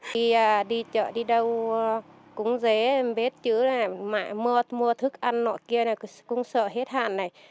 khi đi chợ đi đâu cúng dế bế chứ mẹ mua thức ăn nội kia cúng sợ hết hạn này